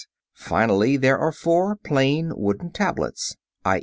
] (6) Finally, there are four plain wooden tablets, _i.